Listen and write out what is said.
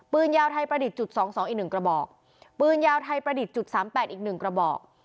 ปืนยาวไทยประดิษฐ์๒๒อีกหนึ่งกระบอกปืนยาวไทยประดิษฐ์๓๘อีกหนึ่งกระบอก